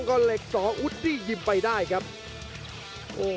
โอ้โหโอ้โห